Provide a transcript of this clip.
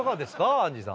アンジーさん。